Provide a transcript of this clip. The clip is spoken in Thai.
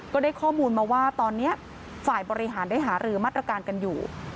ก็ได้ข้อมูลมาว่าตอนนี้ฝ่ายบริหารได้หารือมาตรการกันอยู่